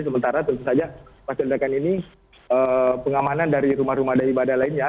sementara tentu saja pas ledakan ini pengamanan dari rumah rumah dari ibadah lainnya